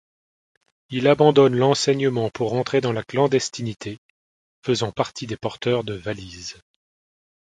Il abandonne l'enseignement pour entrer dans la clandestinité, faisant partie des porteurs de valise.